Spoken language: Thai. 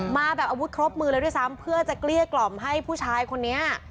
มาแบบอาวุธครบมือเลยด้วยซ้ำเพื่อจะเกลี้ยกล่อมให้ผู้ชายคนนี้